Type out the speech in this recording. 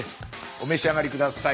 お召し上がり下さい。